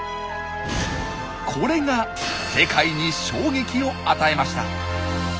これが世界に衝撃を与えました。